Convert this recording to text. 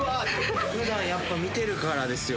・普段やっぱ見てるからですよ。